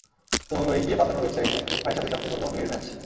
তো হলো এই, বিয়ে পাতানোর ওয়েসাইটে ভাইসাবের সাথে হলো মেয়ের ম্যাচ।